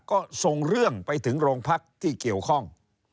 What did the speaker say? ก็ส่งเรื่องไปถึงโรงพักที่เกี่ยวข้อง